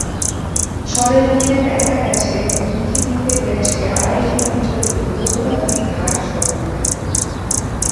সরেজমিনে দেখা গেছে, হুমকির মুখে রয়েছে আড়াই কিলোমিটার দীর্ঘ তুলাতুলী ঘাট সড়কটি।